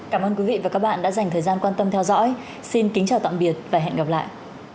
cảm ơn quý vị và các bạn đã dành thời gian quan tâm theo dõi xin kính chào tạm biệt và hẹn gặp lại